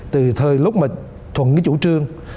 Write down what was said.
từ thời lúc mà thuận với chủ trương